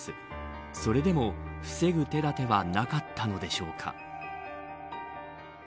それでも防ぐ手だてはなかったのでしょうか。